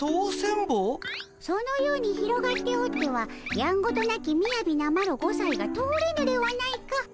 そのように広がっておってはやんごとなきみやびなマロ５さいが通れぬではないか。